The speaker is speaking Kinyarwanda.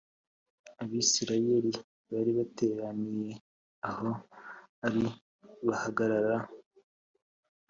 Abisirayeli bari bateraniye aho ari bahagarara